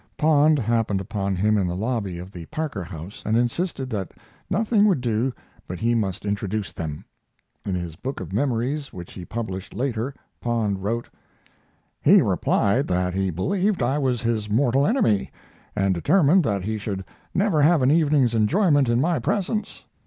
Pond happened upon him in the lobby of the Parker House and insisted that nothing would do but he must introduce them. In his book of memories which he published later Pond wrote: He replied that he believed I was his mortal enemy, and determined that he should never have an evening's enjoyment in my presence.